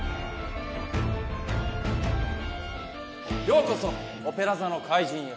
ようこそ『オペラ座の怪人』へ。